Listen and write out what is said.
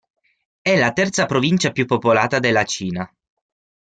È la terza provincia più popolata della Cina.